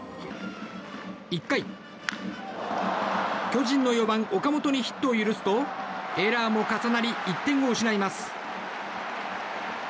１回、巨人の４番岡本にヒットを許すとエラーも重なり１点を失います。